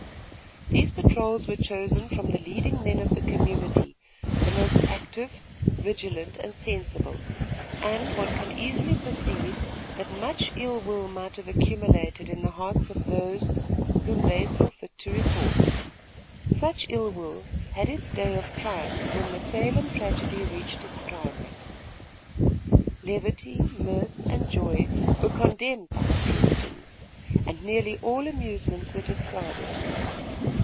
These patrols were chosen from the leading men of the community the most active, vigilant and sensible and one can easily perceive that much ill will might have accumulated in the hearts of those whom they saw fit to report. Such ill will had its day of triumph when the Salem tragedy reached its climax. Levity, mirth and joy were condemned by the Puritans, and nearly all amusements were discarded.